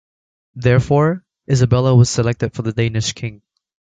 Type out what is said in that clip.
Therefore, Isabella was selected for the Danish king.